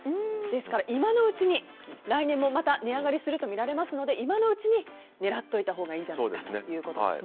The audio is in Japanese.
ですから、来年もまた値上がりするとみられますので今のうちに狙っておいたほうがいいんじゃないかということです。